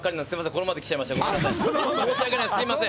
このままで来ちゃいました。